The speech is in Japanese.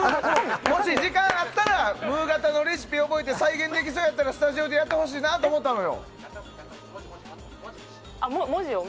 もし時間があったらムーガタのレシピを覚えて再現できそうやったらスタジオでやってほしいと思ったのよ。